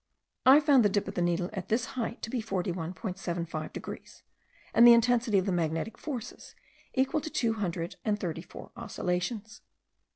I found the dip of the needle at this height to be 41.75 degrees, and the intensity of the magnetic forces equal to two hundred and thirty four oscillations.